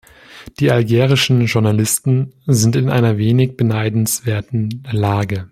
Die algerischen Journalisten sind in einer wenig beneidenswerten Lage.